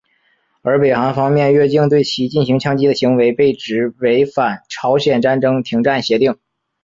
而北韩方面越境对其进行枪击的行为被指违反朝鲜战争停战协定。